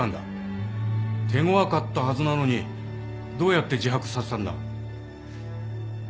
手ごわかったはずなのにどうやって自白させたんだ？